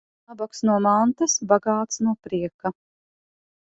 Nabags no mantas, bagāts no prieka.